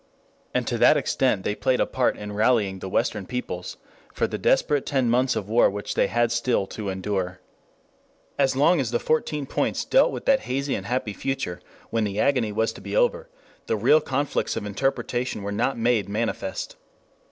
And to that extent they played a part in rallying the western peoples for the desperate ten months of war which they had still to endure. As long as the Fourteen Points dealt with that hazy and happy future when the agony was to be over, the real conflicts of interpretation were not made manifest.